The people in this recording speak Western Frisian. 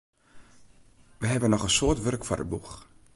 Wy hawwe noch in soad wurk foar de boech.